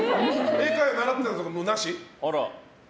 英会話を習ってたとかもなし？